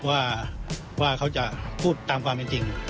ว่าเขาจะพูดตามความเป็นจริง